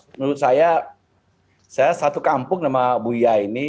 menurut saya saya satu kampung nama buya ini